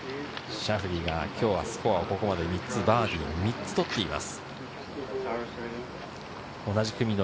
シャフリーが今日はスコアを３つ、バーディー３つ取っています。